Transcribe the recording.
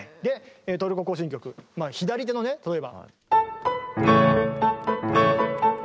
「トルコ行進曲」左手のね例えば。